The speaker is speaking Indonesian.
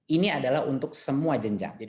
ini adalah untuk semua jejak